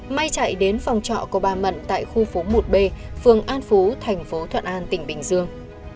may chạy đến phòng trọ của bà mận tại khu phố một b phường an phú thành phố thuận an tỉnh bình dương